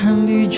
masa apa ini sih